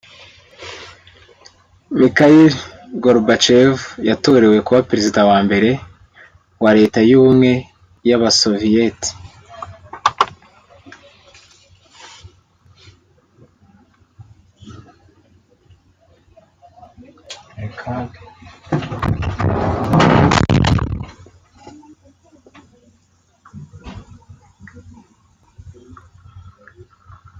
Mikhail Gorbachev yatorewe kuba perezida wa mbere wa Leta y’ubumwe y’abasoviyeti